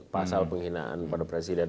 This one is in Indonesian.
pasal penghinaan pada presiden